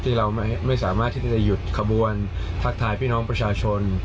ที่เราไม่สามารถที่จะหยุดขบวนทักทายพี่น้องประชาชน